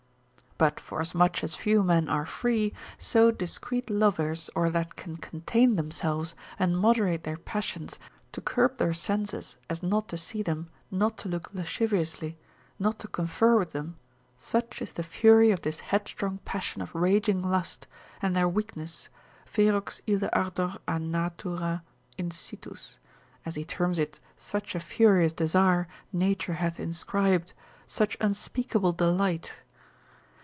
But, forasmuch as few men are free, so discreet lovers, or that can contain themselves, and moderate their passions, to curb their senses, as not to see them, not to look lasciviously, not to confer with them, such is the fury of this headstrong passion of raging lust, and their weakness, ferox ille ardor a natura insitus, as he terms it such a furious desire nature hath inscribed, such unspeakable delight.